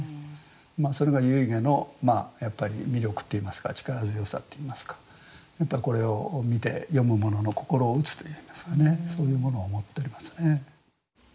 まあそれが遺偈の魅力っていいますか力強さっていいますかまたこれを見て読む者の心を打つといいますかねそういうものを持っておりますね。